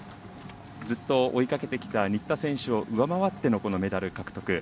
ずっと追いかけてきた新田選手を上回ってのメダル獲得。